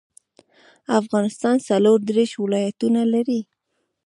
افغانستان څلور ديرش ولايتونه لري.